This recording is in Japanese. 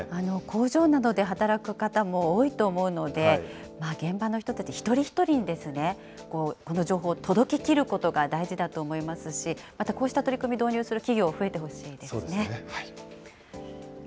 工場などで働く方も多いと思うので、現場の人たち一人一人にこの情報、届けきることが大事だと思いますし、またこうした取り組み導入する企業増えてほしいですね。